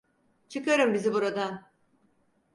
Çıkarın bizi buradan!